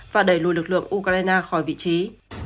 và đẩy lùi lực lượng ukraine khỏi vị trí